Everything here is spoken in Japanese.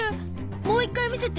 もう一回見せて。